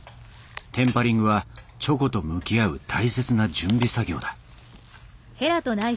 テンパリングはチョコと向き合う大切な準備作業だ